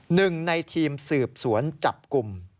หนึ่งในทีมสืบสวนจับกลุ่ม